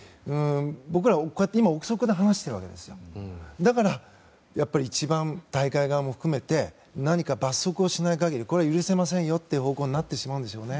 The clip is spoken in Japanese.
僕ら、こうして憶測で話しているわけですがだから、やっぱり大会側も含めて何か罰則をしない限り許せませんよという方向になってしまうんですよね。